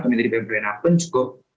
komitmen bebriwina pun cukup